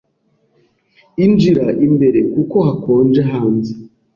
Injira imbere kuko hakonje hanze.